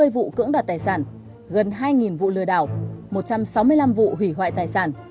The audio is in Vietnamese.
tám trăm bốn mươi vụ cưỡng đoạt tài sản gần hai vụ lừa đảo một trăm sáu mươi năm vụ hủy hoại tài sản